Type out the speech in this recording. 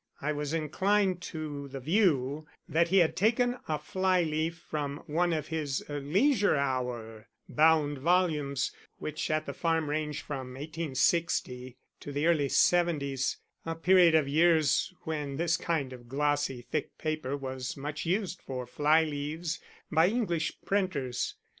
I was inclined to the view that he had taken a fly leaf from one of his Leisure Hour bound volumes, which at the farm range from 1860 to the early seventies a period of years when this kind of glossy thick paper was much used for fly leaves by English printers.